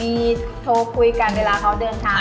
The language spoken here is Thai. มีโทรคุยกันเวลาเขาเดินทาง